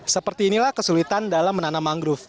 seperti inilah kesulitan dalam menanam mangrove